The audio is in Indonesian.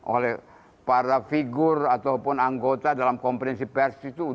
oleh para figur ataupun anggota dalam konferensi pers itu